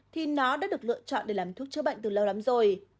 thì nó đã được lựa chọn để làm thuốc chữa bệnh từ lâu lắm rồi